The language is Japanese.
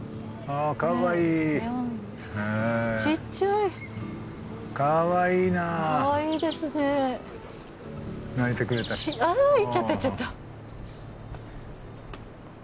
あ行っちゃった行っちゃった。